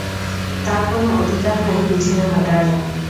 তোর কোন অধিকার নাই পিছনে হাটার।